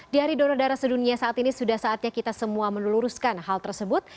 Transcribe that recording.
di hari donor darah sedunia saat ini sudah saatnya kita semua meneluruskan hal tersebut